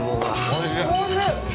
おいしい。